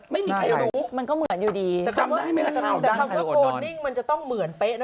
ไม่มีใครรู้เต็มได้มั้ยครับถ้าเขาโครนนิ่งมันจะต้องเหมือนเพชรนะ